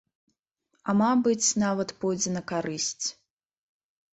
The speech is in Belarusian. А, мабыць, нават пойдзе на карысць.